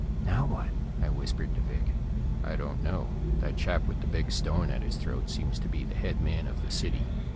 "Now what?" I whispered to Vic. "I don't know. That chap with the big stone at his throat seems to be the head man of the city.